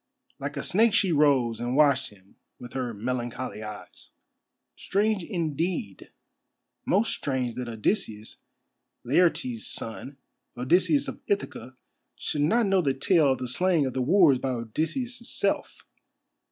Like a snake she rose and watched him with her melancholy eyes. "Strange, indeed—most strange that Odysseus, Laertes' son, Odysseus of Ithaca, should not know the tale of the slaying of the wooers by Odysseus' self.